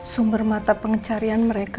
sumber mata pengecarian mereka